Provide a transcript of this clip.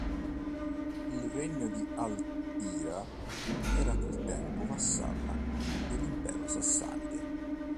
Il regno di al-Ḥīra era a quel tempo vassalla dell'Impero sasanide.